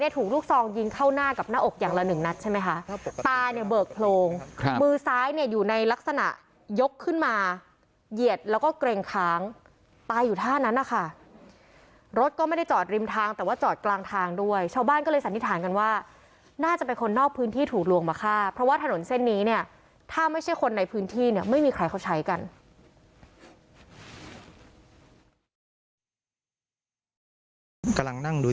ตายอยู่ท่านั้นนะคะรถก็ไม่ได้จอดริมทางแต่ว่าจอดกลางทางด้วยชาวบ้านก็เลยสันนิทานกันว่าน่าจะเป็นคนนอกพื้นที่ถูกลวงมาค่ะเพราะว่าถนนเส้นนี้เนี่ยถ้าไม่ใช่คนในพื้นที่ไม่มีใครเค้าใช้กัน